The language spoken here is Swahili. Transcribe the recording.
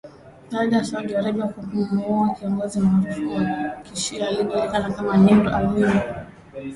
baada ya Saudi Arabia kumuua kiongozi maarufu wa kishia aliyejulikana kama Nimr al-Nimr